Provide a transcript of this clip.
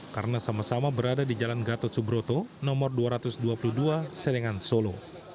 karena sama sama berada di jalan gatot subroto nomor dua ratus dua puluh dua seringan solo